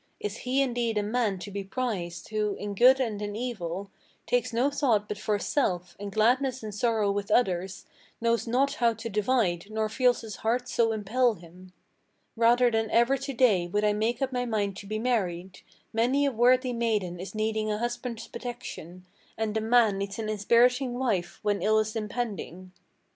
Is he indeed a man to be prized, who, in good and in evil, Takes no thought but for self, and gladness and sorrow with others Knows not how to divide, nor feels his heart so impel him? Rather than ever to day would I make up my mind to be married: Many a worthy maiden is needing a husband's protection, And the man needs an inspiriting wife when ill is impending."